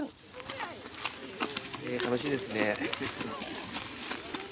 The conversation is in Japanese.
楽しいですね。